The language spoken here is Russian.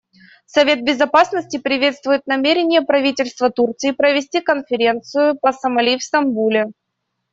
Совет Безопасности приветствует намерение правительства Турции провести конференцию по Сомали в Стамбуле.